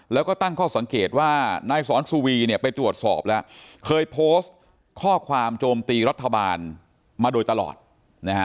แล้วก็ตั้งข้อสังเกตว่านายสอนสุวีเนี่ยไปตรวจสอบแล้วเคยโพสต์ข้อความโจมตีรัฐบาลมาโดยตลอดนะฮะ